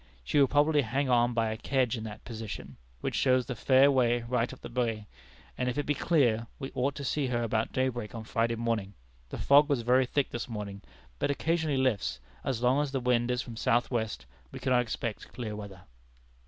She will probably hang on by a kedge in that position, which shows the 'fair way' right up the bay; and if it be clear, we ought to see her about daybreak on Friday morning. The fog was very thick this morning, but occasionally lifts; as long as the wind is from south west we cannot expect clear weather."